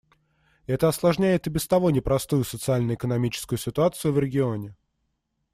Это осложняет и без того непростую социально-экономическую ситуацию в регионе.